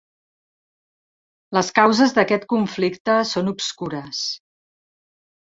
Les causes d'aquest conflicte són obscures.